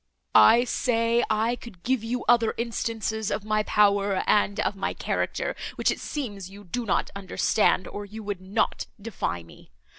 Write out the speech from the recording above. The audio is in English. "I say, I could give you other instances of my power and of my character, which it seems you do not understand, or you would not defy me.